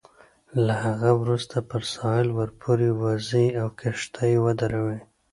له هغه وروسته پر ساحل ورپورې وزئ او کښتۍ ودروئ.